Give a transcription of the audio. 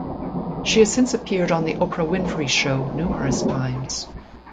She has since appeared on "The Oprah Winfrey Show" numerous times.